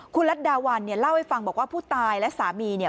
คุณลัดดาวันเล่าให้ฟังบอกว่าผู้ตายและสามี